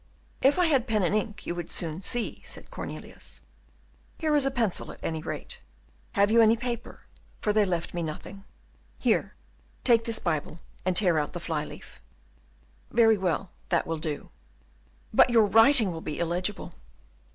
"If I had pen and ink you would soon see," said Cornelius. "Here is a pencil, at any rate." "Have you any paper? for they have left me nothing." "Here, take this Bible, and tear out the fly leaf." "Very well, that will do." "But your writing will be illegible."